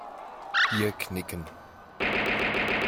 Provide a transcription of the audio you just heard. Hier knicken.